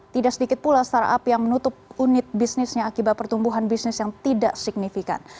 tidak sedikit pula startup yang menutup unit bisnisnya akibat pertumbuhan bisnis yang tidak signifikan